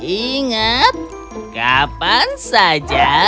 ingat kapan saja